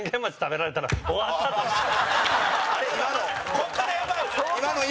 ここからやばい！